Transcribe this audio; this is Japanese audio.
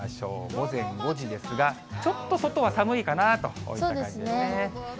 午前５時ですが、ちょっと外は寒いかなといった感じですね。